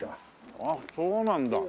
あっそうなんだ。